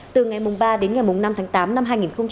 từ ngày ba đến ngày năm tháng tám năm hai nghìn một mươi tám